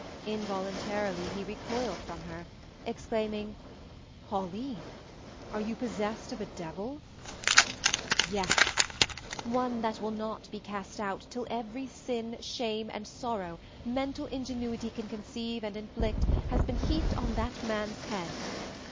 Involuntarily he recoiled from her, exclaiming, "Pauline! Are you possessed of a devil?" "Yes! One that will not be cast out till every sin, shame, and sorrow mental ingenuity can conceive and inflict has been heaped on that man's head.